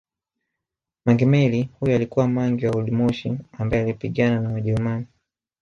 Mangi Meli huyu alikuwa mangi wa oldmoshi ambaye alipigana na wajerumani